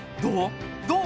どう？